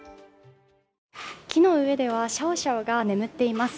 木の上ではシャオシャオが眠っています。